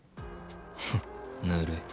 フンぬるい。